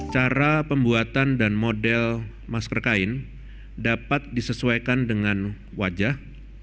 cara pembuatan dan model masker kain dapat disesuaikan dengan wajah